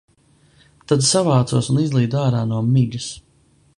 Tad savācos un izlīdu ārā no migas.